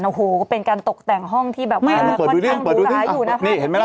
แล้วก็เป็นการตกแต่งห้องที่แบบคอนเที่ยงตูหลายอยู่นะ